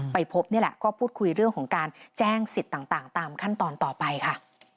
ไปพบนี่แหละก็พูดคุยเรื่องของการแจ้งสิทธิ์ต่างตามขั้นตอนต่อไปค่ะ